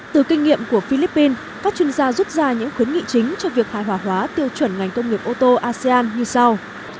từ kinh nghiệm của philippines các chuyên gia rút ra những khuyến nghị chính cho việc hài hòa hóa tiêu chuẩn ngành công nghiệp ô tô asean như sau